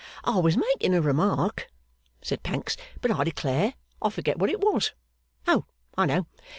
'I was making a remark,' said Pancks, 'but I declare I forget what it was. Oh, I know!